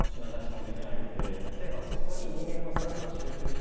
例えばそこに。